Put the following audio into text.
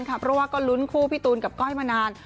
เพราะว่าก็ลุ้นคู่พี่ตูนกับก้อยมานาน